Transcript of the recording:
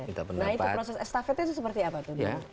nah itu proses estafetnya itu seperti apa tuh